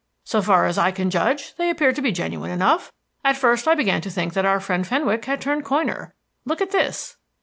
"So far as I can judge, they appear to be genuine enough. At first I began to think that our friend Fenwick had turned coiner. Look at this."